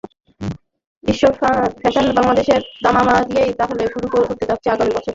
বিশ্ব ফ্যাশনে বাংলাদেশের দামামা দিয়েই তাহলে শুরু হতে যাচ্ছে আগামী বছর।